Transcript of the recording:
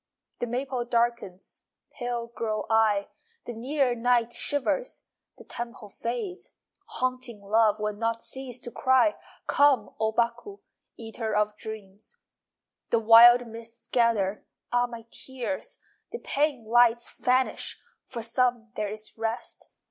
The maple darkens (Pale grow I!) The near night shivers (The temple fades.) Haunting love Will not cease to cry! Come, O Baku, Eater of dreams! The wild mists gather (Ah, my tears!) The pane lights vanish (For some there is rest.)